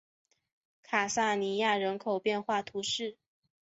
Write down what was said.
卡萨尼亚人口变化图示